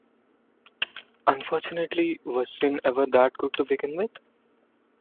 Unfortunately, was "Sin" ever that good to begin with?